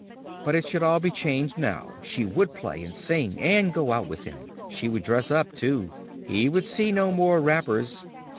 But it should all be changed now. She would play, and sing, and go out with him. She would dress up, too. He should see no more wrappers.